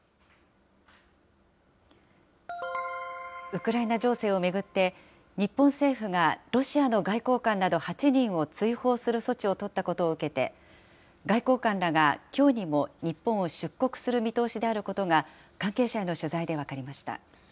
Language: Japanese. ウクライナ情勢を巡って、日本政府がロシアの外交官など８人を追放する措置を取ったことを受けて、外交官らが、きょうにも日本を出国する見通しであることが、関係者への取材で分かりました。